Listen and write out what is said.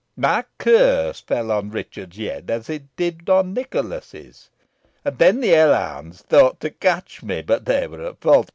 My curse fell on Richard's head, as it did on Nicholas's. And then the hell hounds thought to catch me; but they were at fault.